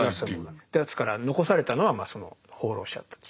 ですから残されたのはその放浪者たち。